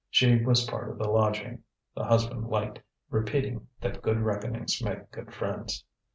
She was part of the lodging; the husband liked repeating that good reckonings make good friends.